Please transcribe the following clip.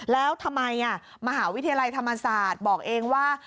แล้วทำไมมหาวิทยาลัยธรรมศาสตร์บอกเองว่า